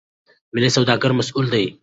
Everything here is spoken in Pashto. ملي سوداګر مسئول دي.